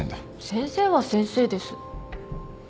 先生は先生です。